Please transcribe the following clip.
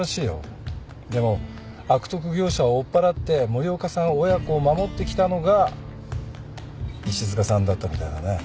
でも悪徳業者を追っ払って森岡さん親子を守ってきたのが石塚さんだったみたいだね。